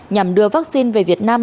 nhằm đưa vaccine về việt nam